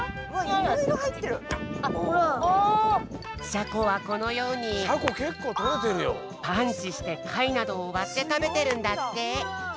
シャコはこのようにパンチしてかいなどをわってたべてるんだって！